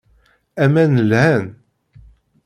Aman lhan.